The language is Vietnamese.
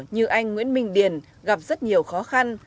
như anh nguyễn minh điền gặp rất nhiều khó khăn